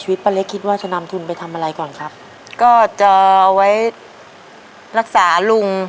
ป้าเล็กคิดว่าจะนำทุนไปทำอะไรก่อนครับก็จะเอาไว้รักษาลุง